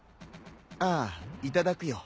ああいただくよ。